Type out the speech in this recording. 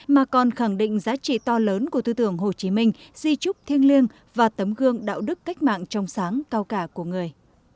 mà còn khẳng định giá trị to lớn của tư tưởng hồ chí minh di trúc thiêng liêng và tấm gương đạo đức cách mạng trong sáng cao cả của người